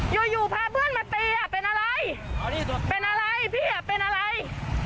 อยู่อยู่พาเพื่อนมาตีอ่ะเป็นอะไรเป็นอะไรพี่อ่ะเป็นอะไร